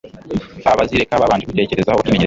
Abazireka babanje kubitekerezaho bakimenyereza